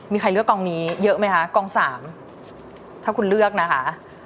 มีใครเลือกกองนี้เยอะไหมคะกองสามถ้าคุณเลือกนะคะ